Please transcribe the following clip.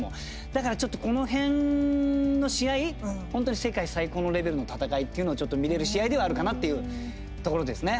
だから、この辺の試合、本当に世界最高のレベルの戦いを見れる試合ではあるかなっていうところですね。